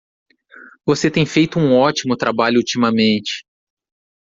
Você tem feito um ótimo trabalho ultimamente.